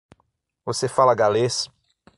Você fala galês?